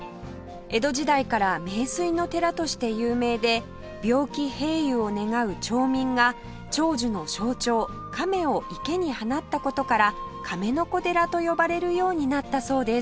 江戸時代から名水の寺として有名で病気平癒を願う町民が長寿の象徴亀を池に放った事から亀の子寺と呼ばれるようになったそうです